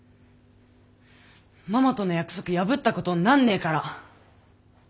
ママとの約束破ったことになんねえから！